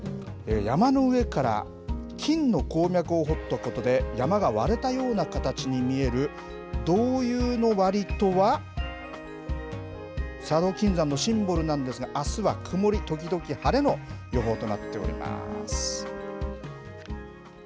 山の上から金の鉱脈を掘ったことで、山が割れたような形に見える、道遊の割戸は、佐渡金山のシンボルなんですが、あすは曇り時々晴れの予報となっております。